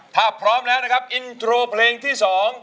ถ้าพร้อมแล้วนะครับอินโทรเพลงที่๒